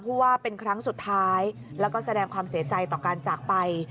ว่าเป็นครั้งสุดท้ายแล้วก็แสดงความเสียใจต่อการจากไป